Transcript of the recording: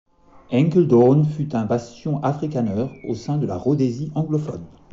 Enkeldoorn fut un bastion afrikaner au sein de la Rhodésie anglophone.